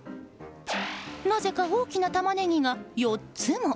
なぜか、大きなタマネギが４つも。